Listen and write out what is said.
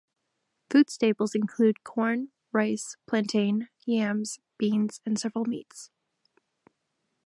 Food staples include corn, rice, plantain, yams, beans and several meats.